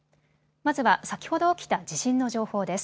まずは先ほど起きた地震の情報です。